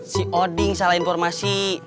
si odin salah informasi